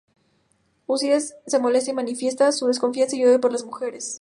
Ulysses se molesta y manifiesta su desconfianza y odio por las mujeres.